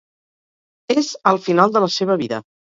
És al final de la seva vida.